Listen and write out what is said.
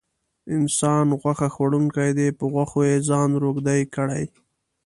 انسان غوښه خوړونکی دی په غوښو یې ځان روږدی کړی.